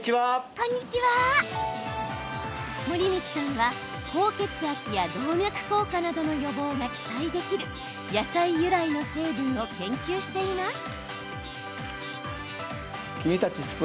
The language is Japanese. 森光さんは、高血圧や動脈硬化などの予防が期待できる野菜由来の成分を研究しています。